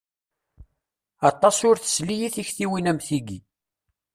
Aṭas ur tesli i tiktiwin am tigi.